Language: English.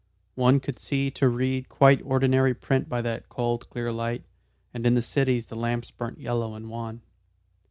One could see to read quite ordinary print by that cold clear light, and in the cities the lamps burnt yellow and wan.